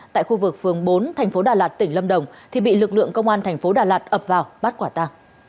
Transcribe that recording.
tại khu vực phường bốn tp đà lạt tỉnh lâm đồng thì bị lực lượng công an tp đà lạt ập vào bắt quả ta